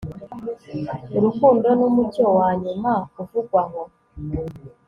urukundo numucyo wanyuma uvugwa oh